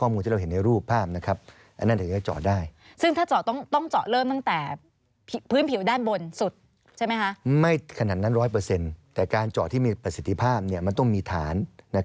มันต้องมีฐาน